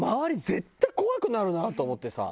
絶対怖くなるなと思ってさ。